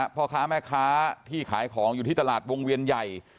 พ่อค้าแม่ค้าที่ขายของอยู่ที่ตลาดวงเวียนใหญ่